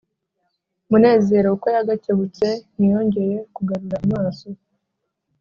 munezero uko yagakebutse ntiyongeye kugarura amaso